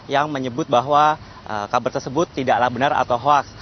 yang menyebut bahwa kabar tersebut tidaklah benar atau hoaks